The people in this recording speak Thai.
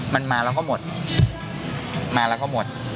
มันมาแล้วก็หมด